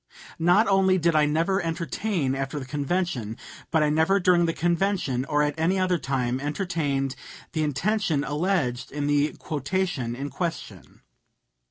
Not only did I never entertain after the convention, but I never during the convention or at any other time, entertained the intention alleged in the quotation in question.